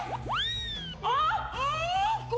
kek kek kek